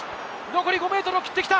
残り５ｍを切ってきた！